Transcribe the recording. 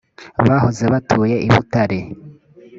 bahoze batuye i butare.